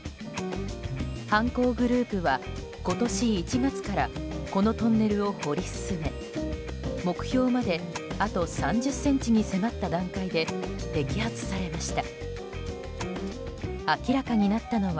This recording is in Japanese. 犯行グループは今年１月からこのトンネルを掘り進め目標まであと３０ｃｍに迫った段階で摘発されました。